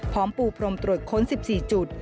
ปูพรมตรวจค้น๑๔จุด